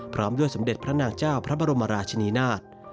พร้อมด้วยสมเด็จพระนางเจ้าพระบรมราชินีนาฏ